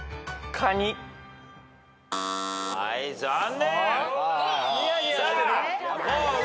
はい残念。